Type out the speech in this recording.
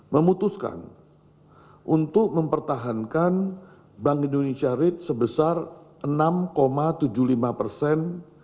memutuskan untuk mempertahankan bank indonesia rate sebesar enam tujuh puluh lima persen